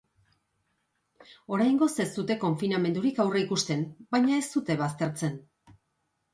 Oraingoz, ez dute konfinamendurik aurreikusten, baina ez dute baztertzen.